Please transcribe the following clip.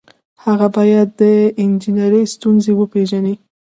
هغه باید د انجنیری ستونزې وپيژني.